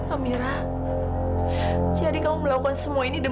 amira jadi kamu melakukan semua ini demi ibu nak